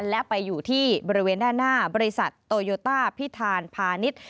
และไปอยู่ที่บริเวณด้านหน้าบริษัทโตโยต้าพิธานพาณิชย์